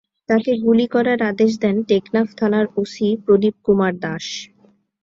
তাকে গুলি করার আদেশ দেন টেকনাফ থানার ওসি প্রদীপ কুমার দাশ।